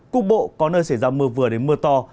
cục bộ có nơi xảy ra mưa vừa đến mưa to